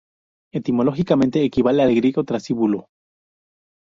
Etimológicamente, equivale al griego "Trasíbulo".